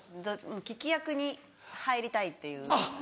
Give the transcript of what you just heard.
聞き役に入りたいっていう。